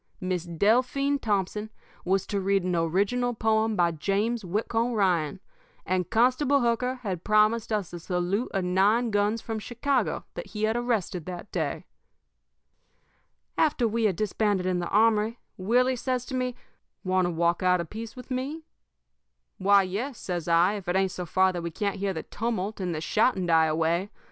Miss Delphine Thompson was to read an original poem by James Whitcomb Ryan, and Constable Hooker had promised us a salute of nine guns from Chicago that he had arrested that day. "After we had disbanded in the armory, Willie says to me: "'Want to walk out a piece with me?' "'Why, yes,' says I, 'if it ain't so far that we can't hear the tumult and the shouting die away.